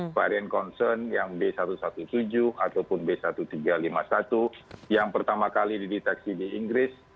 varian concern yang b satu satu tujuh ataupun b seribu tiga ratus lima puluh satu yang pertama kali dideteksi di inggris